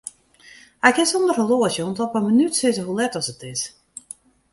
Hy kin sonder horloazje oant op 'e minút sizze hoe let as it is.